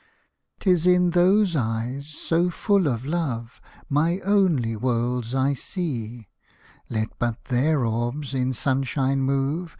'Tis in those eyes, so full of love, My only worlds I see ; Let but their orbs in sunshine move.